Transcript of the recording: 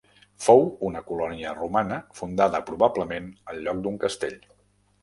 Fou una colònia romana fundada probablement al lloc d'un castell.